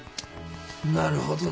なるほどね。